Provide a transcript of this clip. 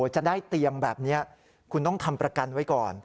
จะได้เตียงแบบนี้คุณต้องทำประกันไว้ก่อน